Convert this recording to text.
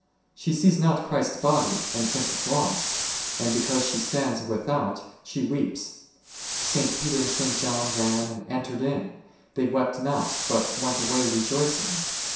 She sees not Christ's body, and thinks it lost, and because she stands without she weeps. St. Peter and St. John ran and entered in, they wept not but went away rejoicing.